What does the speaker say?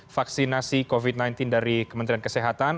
vaksinasi covid sembilan belas dari kementerian kesehatan